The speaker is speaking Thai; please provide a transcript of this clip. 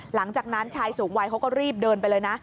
หลังจากนั้นชายสูงวัยเขาก็รีบเดินไปเลยนะ